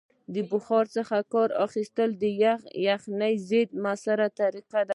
د بخارۍ څخه کار اخیستل د یخنۍ ضد مؤثره طریقه ده.